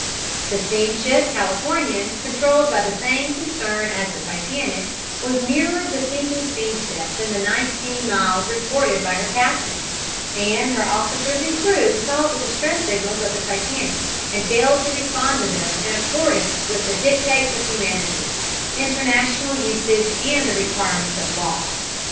The steamship Californian, controlled by the same concern as the Titanic, was nearer the sinking steamship than the nineteen miles reported by her captain, and her officers and crew saw the distress signals of the Titanic and failed to respond to them in accordance with the dictates of humanity, international usage and the requirements of law.